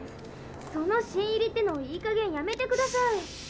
その「新入り」ってのいいかげんやめてください。